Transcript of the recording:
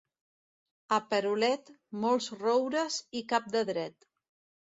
A Perolet, molts roures i cap de dret.